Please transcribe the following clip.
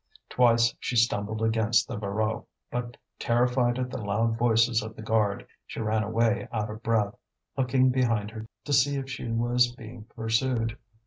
Twice she stumbled against the Voreux, but terrified at the loud voices of the guard, she ran away out of breath, looking behind her to see if she was being pursued.